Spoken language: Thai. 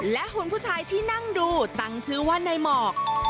และคุณผู้ชายที่นั่งดูตั้งชื่อว่านายหมอก